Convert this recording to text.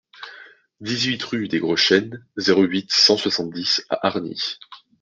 dix-huit rue des Gros Chênes, zéro huit, cent soixante-dix à Hargnies